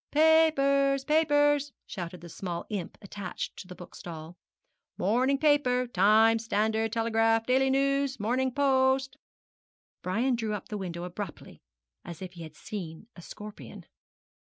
'Papers! papers!' shouted the small imp attached to the bookstall. 'Morning paper Times, Standard, Telegraph, Daily News, Morning Post!' Brian drew up the window abruptly, as if he had seen a scorpion.